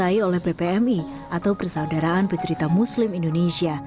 dirai oleh ppmi atau persaudaraan pecerita muslim indonesia